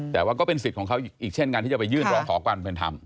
แต่ว่าก็เป็นสิทธิ์ของเขาอีกเช่นการที่จะไปยื่นร้องขอความเป็นธรรม